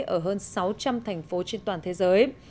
ở hơn sáu trăm linh thành phố trên toàn thế giới